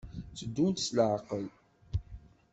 Tteddunt s leɛqel.